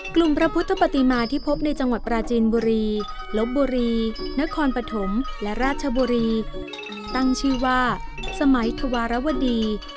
พระพุทธปฏิมาที่พบในจังหวัดปราจีนบุรีลบบุรีนครปฐมและราชบุรีตั้งชื่อว่าสมัยธวารวดี